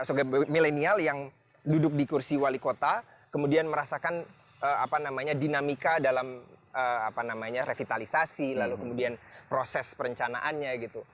sebagai milenial yang duduk di kursi wali kota kemudian merasakan dinamika dalam revitalisasi lalu kemudian proses perencanaannya gitu